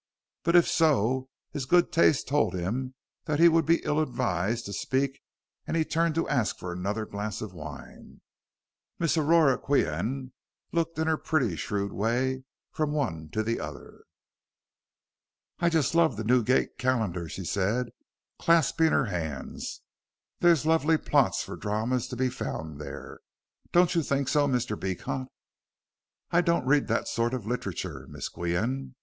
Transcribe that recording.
But if so his good taste told him that he would be ill advised to speak and he turned to ask for another glass of wine. Miss Aurora Qian looked in her pretty shrewd way from one to the other. "I just love the Newgate Calendar," she said, clasping her hands. "There's lovely plots for dramas to be found there. Don't you think so, Mr. Beecot?" "I don't read that sort of literature, Miss Qian."